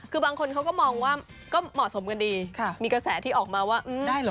คือบางคนเขาก็มองว่าก็เหมาะสมกันดีมีกระแสที่ออกมาว่าได้เหรอ